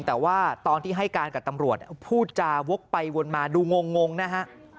แต่ว่าตอนที่ให้การกับตำรวจพูดจาวกไปวนมาดูงงนะฮะ